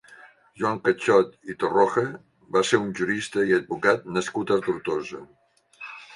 Joan Cachot i Torroja va ser un jurista i advocat nascut a Tortosa.